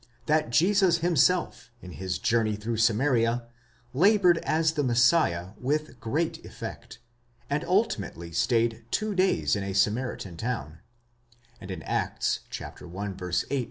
that Jesus himself in his journey through Samaria laboured as the Messiah with great effect, and ultimately stayed two days in a Samaritan town; and in the Acts (i.